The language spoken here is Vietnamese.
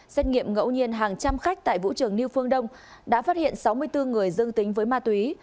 xét nghiệm ngẫu nhiên hàng trăm khách tại vũ trường new phương đông đã phát hiện sáu mươi bốn người dương tính với ma túy